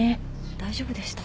大丈夫でした？